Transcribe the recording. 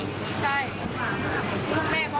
คนที่ทำนะ